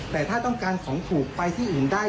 แต่ถ้าต้องการของถูกไปที่อื่นได้